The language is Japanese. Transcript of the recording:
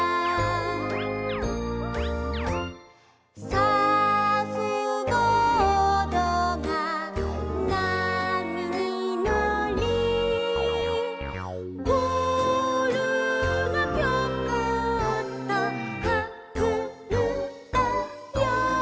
「サーフボードが波にのり」「ボールがピョコッとはずんだよ」